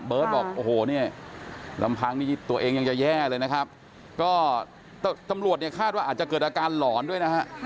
บอกโอ้โหเนี่ยลำพังนี่ตัวเองยังจะแย่เลยนะครับก็ตำรวจเนี่ยคาดว่าอาจจะเกิดอาการหลอนด้วยนะฮะ